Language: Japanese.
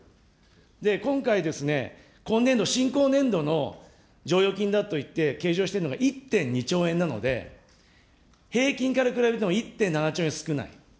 今回ですね、今年度、進行年度の剰余金だといって計上してるのが１．２兆円なので、平均から比べても１．７兆円少ない。